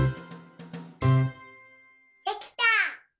できた！